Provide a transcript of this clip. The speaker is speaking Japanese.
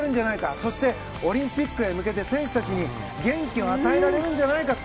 そして、オリンピックへ向けて選手たちに元気を与えられるんじゃないかと。